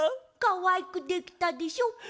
かわいくできたでしょ？